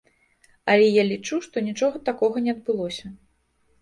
Але я лічу, што нічога такога не адбылося.